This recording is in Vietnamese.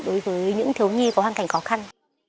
đối với những thiếu nhi có hoàn cảnh khó khăn